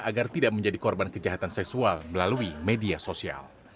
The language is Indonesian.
agar tidak menjadi korban kejahatan seksual melalui media sosial